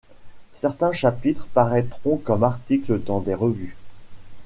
Certains chapitres paraîtront comme articles dans des revues.